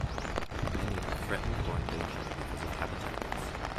Many are threatened or endangered because of habitat loss.